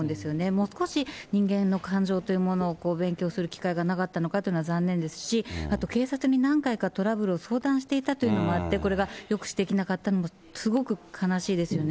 もう少し人間の感情というものを勉強する機会がなかったのかというのは残念ですし、あと警察に何回かトラブルを相談していたというのがあって、これが抑止できなかったのも、すごく悲しいですよね。